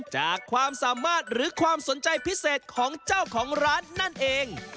ความสามารถหรือความสนใจพิเศษของเจ้าของร้านนั่นเอง